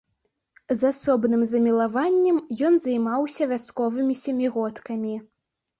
З асобным замілаваннем ён займаўся вясковымі сямігодкамі.